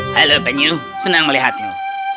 halo penyu senang melihatmu